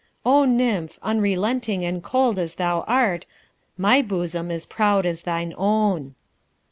O nymph, unrelenting and cold as thou art, My bosom is proud as thine own.